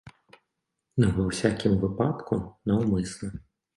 Ну, ва ўсякім выпадку, наўмысна.